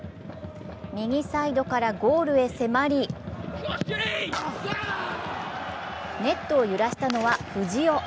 右サイドからゴールへ迫り、ネットを揺らしたのは藤尾。